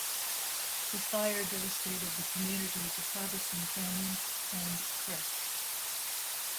The fire devastated the communities of Harbison Canyon and Crest.